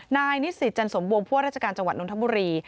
นายนิสิทธิ์จันทร์สมบวมพวกราชการจังหวัดนมทธมุรี